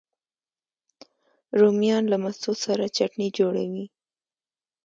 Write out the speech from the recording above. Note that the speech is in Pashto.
رومیان له مستو سره چټني جوړوي